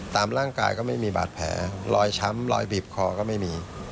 ตามร่างกายก็ไม่มีบาดแผลรอยช้ำรอยบีบคอก็ไม่มี